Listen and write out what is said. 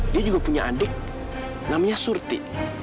dia juga punya adik namanya surti